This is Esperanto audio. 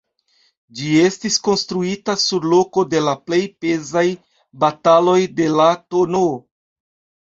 Ĝi estis konstruita sur loko de la plej pezaj bataloj de la tn.